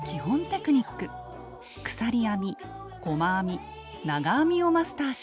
テクニック鎖編み細編み長編みをマスターしました。